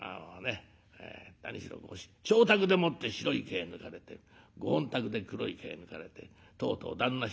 何しろご妾宅でもって白い毛抜かれてご本宅で黒い毛抜かれてとうとう旦那